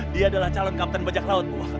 dia adalah calon kapten bajak laut